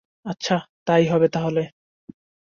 আচ্ছা, তাই হবে তাহলে।